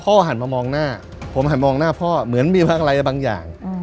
หันมามองหน้าผมหันมองหน้าพ่อเหมือนมีพลังอะไรบางอย่าง